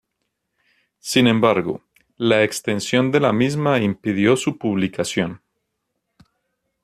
Sin embargo, la extensión de la misma impidió su publicación.